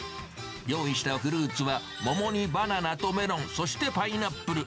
用意したフルーツは、桃にバナナとメロン、そしてパイナップル。